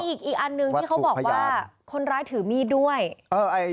มีอีกอีกอันนึงที่เขาบอกว่าคนร้ายถือมีดด้วย